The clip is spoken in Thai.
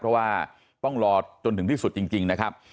เพราะว่าต้องรอจนถึงที่สุดจริงนะครับ